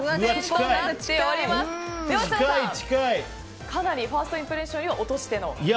設楽さん、かなりファーストインプレッションより落としていますが。